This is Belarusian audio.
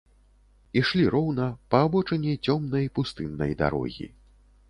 Ішлі роўна, па абочыне цёмнай пустыннай дарогі.